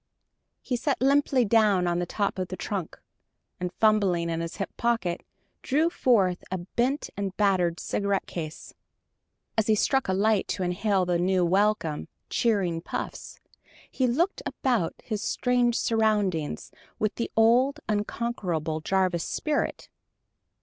He sat limply down on the top of the trunk, and fumbling in his hip pocket drew forth a bent and battered cigarette case. As he struck a light to inhale a few welcome, cheering puffs, he looked about his strange surroundings with the old, unconquerable Jarvis spirit.